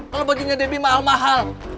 kalau baginya debbie mahal mahal